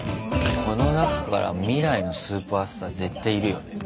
この中から未来のスーパースター絶対いるよね。